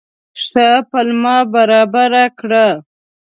ښه پلمه برابره کړه.